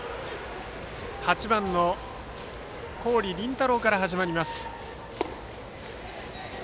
８番の郡凜太朗から始まります。